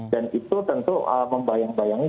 dan itu tentu membayang bayangi